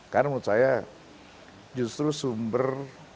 karena menurut saya justru sumber